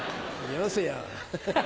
よせよ。